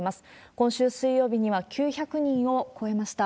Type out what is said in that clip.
今週水曜日には９００人を超えました。